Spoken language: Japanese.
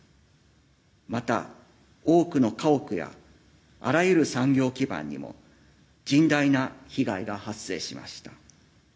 また、多くの家屋やあらゆる産業基盤にも甚大な被害が発生しました。